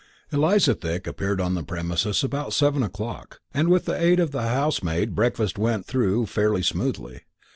Eliza Thick appeared on the premises about seven o'clock, and with the aid of the housemaid breakfast went through fairly smoothly.